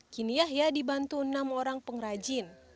kini yahya dibantu enam orang pengrajin